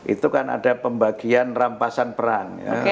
itu kan ada pembagian rampasan peran